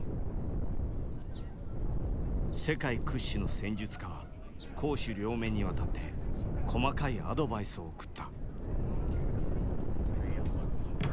世界屈指の戦術家は攻守両面にわたって細かいアドバイスを送った。